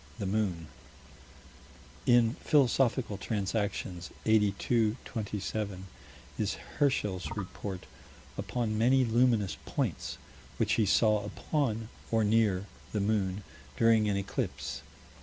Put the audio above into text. the moon: In Philosophical Transactions, 82 27, is Herschel's report upon many luminous points, which he saw upon or near? the moon, during an eclipse.